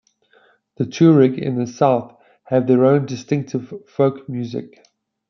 The Tuareg in the south have their own distinctive folk music.